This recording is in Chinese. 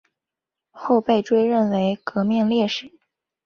后被追认为革命烈士。